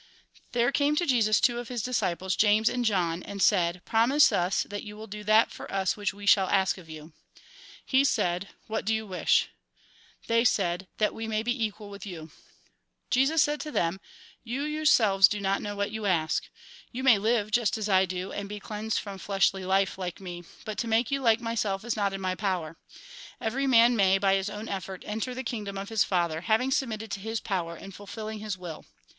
There came to Jesus two of his disciples, James and John, and said :" Promise us that you will do that for us which we shall ask of you." He said : "What do you wish ?" They said :" That we may be equal with you." Jesus said to them :" You yourselves do not 104 THE GOSPEL IN BRIEF know what you ask. You may live just as I do, and be cleansed from fleshly life like me, but to make you like myself is not in my power. Every man may, by his own effort, enter the kingdom of his Father, having submitted to His power, and fulfil ling His will."